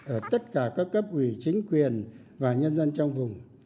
ở tất cả các cấp ủy chính quyền và nhân dân trong vùng